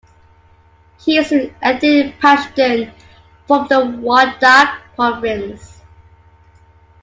He is an ethnic Pashtun from the Wardak province.